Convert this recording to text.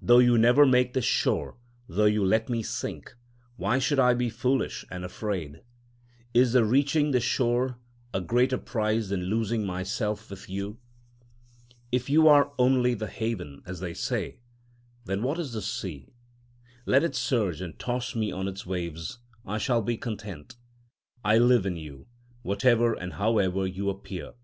Though you never make the shore, though you let me sink, why should I be foolish and afraid? Is the reaching the shore a greater prize than losing myself with you? If you are only the haven, as they say, then what is the sea? Let it surge and toss me on its waves, I shall be content. I live in you, whatever and however you appear.